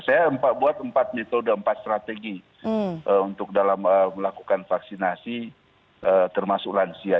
saya buat empat metode empat strategi untuk dalam melakukan vaksinasi termasuk lansia